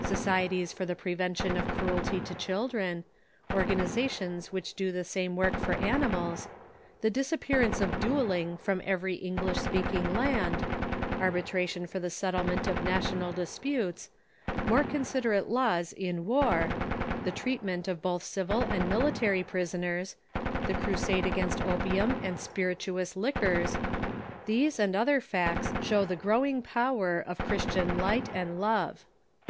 Socie Other Reforms .„ J^ .» i* * i i i ties tor the prevention oi cruelty to children, organ izations which do the same work for animals, the disappearance of duelling from every English speaking land, arbitration for the settlement of national disputes, more considerate laws in war, the treatment of both civil and militar} prisoners, the cru sade against opium and spirituous liquors — these and other facts show the growing power of Christian light and love.